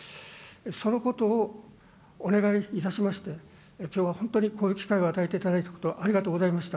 そのことをお願いいたしまして、きょうは本当に、こういう機会を与えていただいたこと、ありがとうございました。